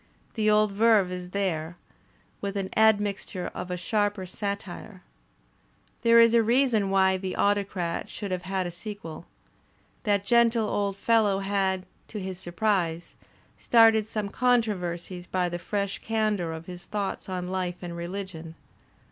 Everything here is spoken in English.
The old verve is there, with an admixture of a sharper satire. There is a reason why "The Autocrat" should have had a sequel. That gentle old fellow had, to his surprise, started some con troversies by the fresh candour of his thoughts on life and reUgion.